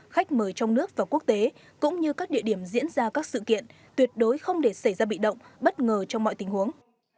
khách mời trong nước và quốc tế cũng như các địa điểm diễn ra các sự kiện tuyệt đối không để xảy ra bị động bất ngờ trong mọi tình huống